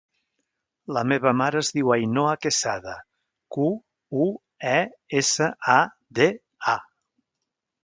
La meva mare es diu Ainhoa Quesada: cu, u, e, essa, a, de, a.